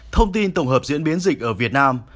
thông tin tổng hợp diễn biến dịch ở việt nam